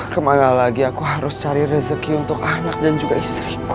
kemana lagi aku harus cari rezeki untuk anak dan juga istriku